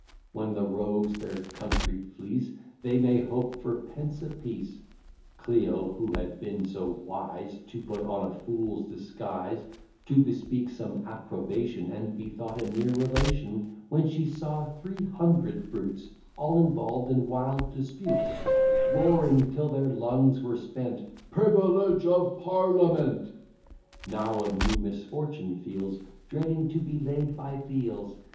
When the rogues their country fleece, They may hope for pence a piece. Clio, who had been so wise To put on a fool's disguise, To bespeak some approbation, And be thought a near relation, When she saw three hundred brutes All involved in wild disputes, Roaring till their lungs were spent, PRIVILEGE OF PARLIAMENT, Now a new misfortune feels, Dreading to be laid by th' heels.